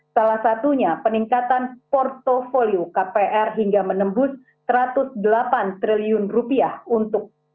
salah satunya peningkatan portfolio kpr hingga menembus satu ratus delapan triliun rupiah untuk